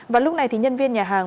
và lúc này thì nhân viên nhà hàng